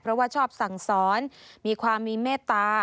เพราะว่าชอบสั่งสอนมีความมีเมตตา